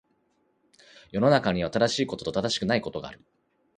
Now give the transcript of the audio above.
世の中には、正しいことと正しくないことがある。